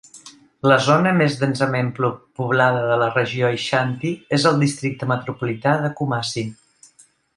La zona més densament poblada de la regió Aixanti és el Districte Metropolità de Kumasi.